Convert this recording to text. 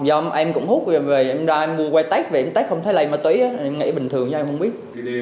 do em cũng hút về em ra em mua quay text về em text không thấy lấy ma túy á em nghĩ bình thường cho em không biết